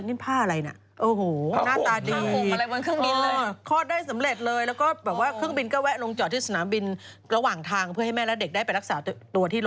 นี่ผ้าอะไรน่ะโอ้โหหน้าตาดี